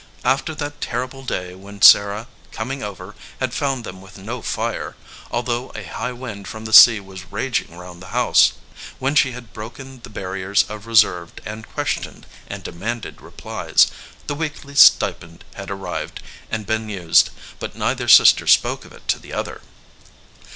After that terrible day when Sarah, coming over, had found them with no fire, although a high wind from the sea was raging round the house, when she had broken the barriers of reserve and questioned and demanded replies, the weekly stipend had arrived, and been used ; but neither sister spoke of it to the other.